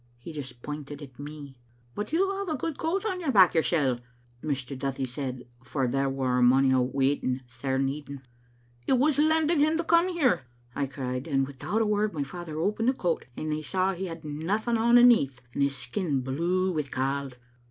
He just pointed at me. *But you have a good coat on your back yoursel',' Mr. Duthie said, for there were mony waiting, sair needing. *It was lended him to come here, ' I cried, and without a word my father opened the coat, and they saw he had nothing on aneath, and his skin blue wi 'cauld.